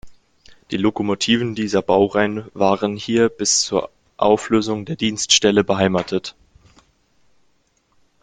Die Lokomotiven dieser Baureihen waren hier bis zur Auflösung der Dienststelle beheimatet.